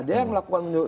dia yang melakukan